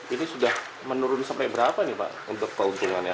ini sudah menurun sampai berapa nih pak untuk keuntungannya